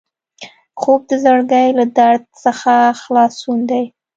خوب د زړګي له درد څخه خلاصون دی